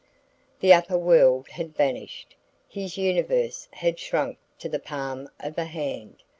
The upper world had vanished: his universe had shrunk to the palm of a hand.